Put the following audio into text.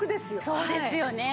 そうですよね。